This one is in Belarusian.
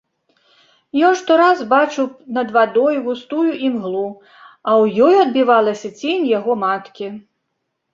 Ён штораз бачыў над вадой густую імглу, а ў ёй адбівалася цень яго маткі.